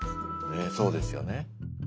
ねっそうですよね。